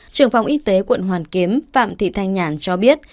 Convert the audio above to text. trường phòng y tế quận hoàn kiếm phạm thị thanh nhàn cho biết